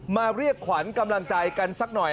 เรียกขวัญกำลังใจกันสักหน่อย